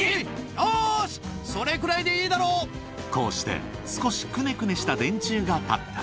よーし、それくらいでいいだこうして、少しくねくねした電柱が立った。